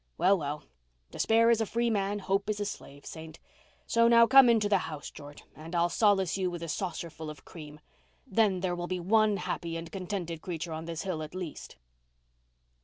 Well, well, 'despair is a free man, hope is a slave,' Saint. So now come into the house, George, and I'll solace you with a saucerful of cream. Then there will be one happy and contented creature on this hill at least."